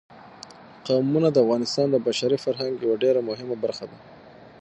قومونه د افغانستان د بشري فرهنګ یوه ډېره مهمه برخه ده.